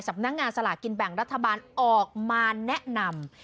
สำนักงานสลากินแบ่งรัฐบาลออกมาแนะนำ